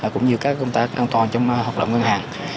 cũng như các công tác an toàn trong hoạt động ngân hàng